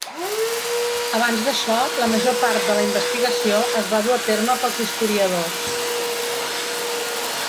Abans d'això la major part de la investigació es va dur a terme pels historiadors.